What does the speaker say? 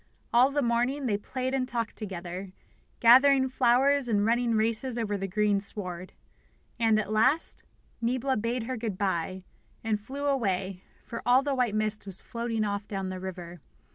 All the morning they played and talked together, gathering flowers and running races over the green sward. And, at last, Niebla bade her good bye, and flew away, for all the white mist was floating off down the river.